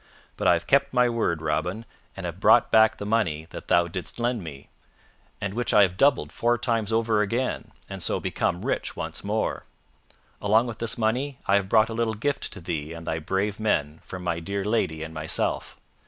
But I have kept my word, Robin, and have brought back the money that thou didst lend me, and which I have doubled four times over again, and so become rich once more. Along with this money I have brought a little gift to thee and thy brave men from my dear lady and myself."